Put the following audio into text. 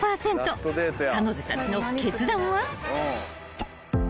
［彼女たちの決断は］